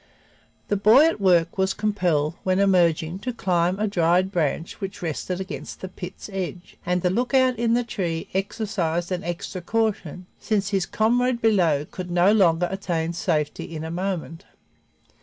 The boy at work was compelled, when emerging, to climb a dried branch which rested against the pit's edge, and the lookout in the tree exercised an extra caution, since his comrade below could no longer attain safety in a moment.